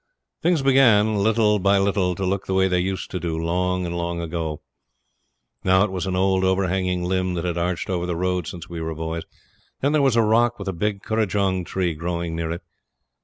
Things began little by little to look the way they used to do long and long ago. Now it was an old overhanging limb that had arched over the road since we were boys; then there was a rock with a big kurrajong tree growing near it.